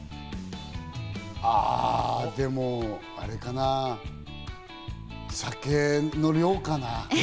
あ、でもあれかな、酒の量かな？